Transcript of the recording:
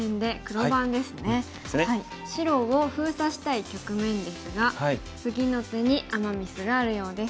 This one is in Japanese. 白を封鎖したい局面ですが次の手にアマ・ミスがあるようです。